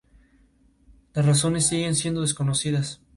Las razones siguen siendo desconocidas.